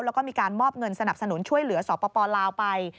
แล้วก็มีการมอบเงินสนับสนุนช่วยเหลือสปลาวไป